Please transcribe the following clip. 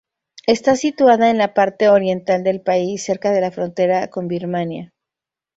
Está situada en la parte oriental del país, cerca de la frontera con Birmania.